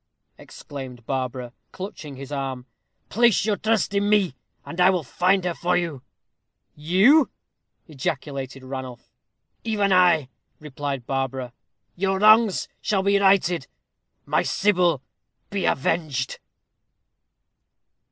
exclaimed Barbara, clutching his arm. "Place your trust in me, and I will find her for you." "You!" ejaculated Ranulph. "Even I," replied Barbara. "Your wrongs shall be righted my Sybil be avenged."